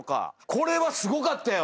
これはすごかったよ。